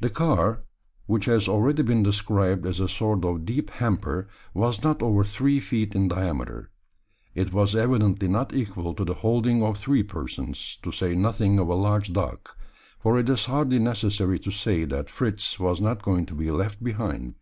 The car, which has already been described as a sort of deep hamper, was not over three feet in diameter. It was evidently not equal to the holding of three persons to say nothing of a large dog for it is hardly necessary to say that Fritz was not going to be left behind.